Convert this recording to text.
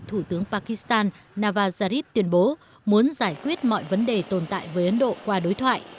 thủ tướng pakistan nava zarif tuyên bố muốn giải quyết mọi vấn đề tồn tại với ấn độ qua đối thoại